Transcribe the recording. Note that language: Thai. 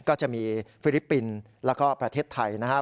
ก็จะมีฟิลิปปินส์แล้วก็ประเทศไทยนะครับ